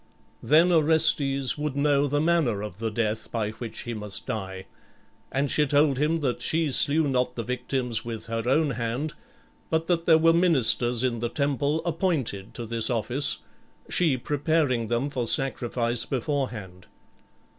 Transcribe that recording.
Then Orestes would know the manner of the death by which he must die. And she told him that she slew not the victims with her own hand, but that there were ministers in the temple appointed to this office, she preparing them for sacrifice beforehand.